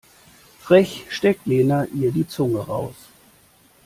Frech streckt Lena ihr die Zunge raus.